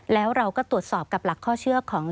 แล้วเราก็ตรวจสอบกับหลักข้อเชื่อของ